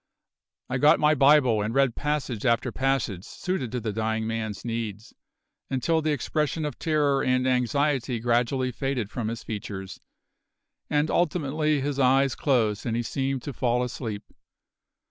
I got my Bible and read passage after passage suited to the dying man's needs, until the expression of terror and anxiety gradually faded from his features, and ultimately his eyes closed and he seemed to fall asleep.